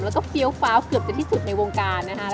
แล้วก็เฟี้ยวฟ้าวเกือบจะที่สุดในวงการนะคะ